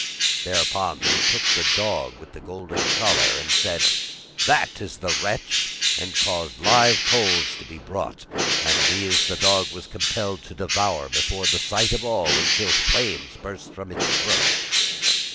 Thereupon he took the dog with the golden collar, and said: 'That is the wretch!' and caused live coals to be brought, and these the dog was compelled to devour before the sight of all, until flames burst forth from its throat.